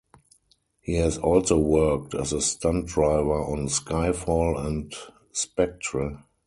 He has also worked as a stunt driver on Skyfall and Spectre.